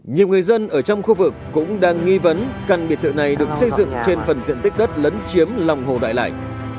nhiều người dân ở trong khu vực cũng đang nghi vấn căn biệt thự này được xây dựng trên phần diện tích đất lấn chiếm lòng hồ đại lại